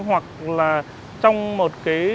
hoặc là trong một cái